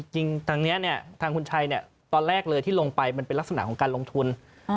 จริงทางนี้ทางคุณชัยตอนแรกเลยที่ลงไปมันเป็นลักษณะของการลงทุน